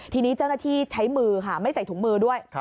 ทีนี้เจ้าหน้าที่ใช้มือค่ะไม่ใส่ถุงมือด้วย